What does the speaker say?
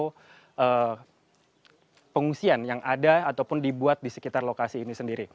jadi ini adalah satu kesempatan yang sangat penting untuk menemukan orang yang masih berada di sekitar lokasi ini